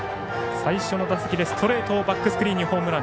最初の打席でストレートをバックスクリーンにホームラン。